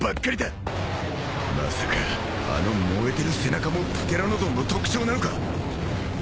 まさかあの燃えてる背中もプテラノドンの特徴なのか？